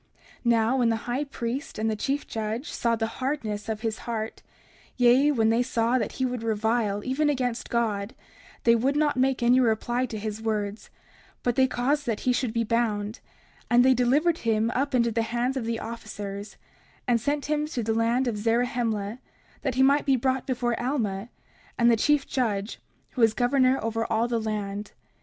30:29 Now when the high priest and the chief judge saw the hardness of his heart, yea, when they saw that he would revile even against God, they would not make any reply to his words; but they caused that he should be bound; and they delivered him up into the hands of the officers, and sent him to the land of Zarahemla, that he might be brought before Alma, and the chief judge who was governor over all the land.